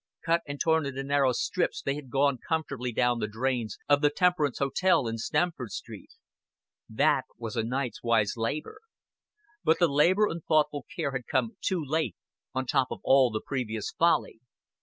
Cut and torn into narrow stripes they had gone comfortably down the drains of the temperance hotel in Stamford Street. That was a night's wise labor. But the labor and thoughtful care had come too late, on top of all the previous folly.